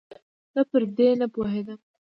زه پر دې نپوهېدم